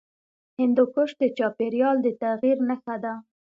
هندوکش د چاپېریال د تغیر نښه ده.